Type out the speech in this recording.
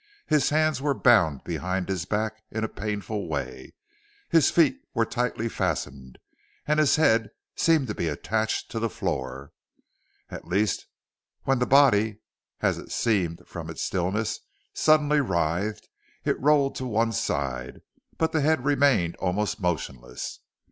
His hands were bound behind his back in a painful way, his feet were tightly fastened, and his head seemed to be attached to the floor. At least, when the body (as it seemed from its stillness) suddenly writhed, it rolled to one side, but the head remained almost motionless.